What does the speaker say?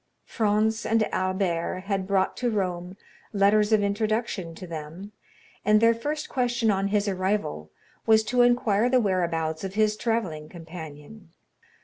Franz and Albert had brought to Rome letters of introduction to them, and their first question on his arrival was to inquire the whereabouts of his travelling companion.